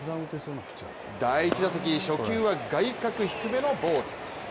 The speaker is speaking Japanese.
第１打席、初球は外角低めのボール。